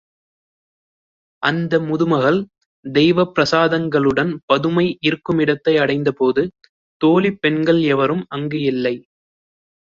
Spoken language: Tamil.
அந்த முதுமகள் தெய்வப் பிரசாதங்களுடன் பதுமை இருக்குமிடத்தை அடைந்தபோது தோழிப் பெண்கள் எவரும் அங்கு இல்லை.